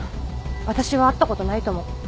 あたしは会ったことないと思う。